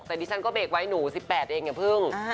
แต่ดิฉันก็เบรกไว้หนู๑๘เองอย่าพึ่ง